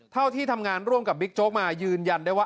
ที่ทำงานร่วมกับบิ๊กโจ๊กมายืนยันได้ว่า